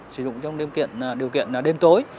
sử dụng trong điều kiện đêm tối